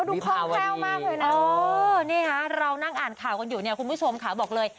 ดูคร่าวแค่วมากเลยนะนี่ฮะเรานั่งอ่านข่าวกันอยู่คุณผู้ชมขาบอกเลย